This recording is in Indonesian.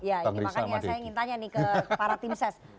ya ini makanya saya ingin tanya nih ke para tim ses